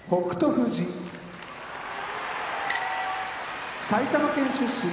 富士埼玉県出身